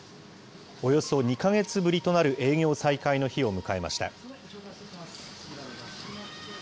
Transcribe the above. およそ２か月ぶりとなる営業再開の日を迎えました。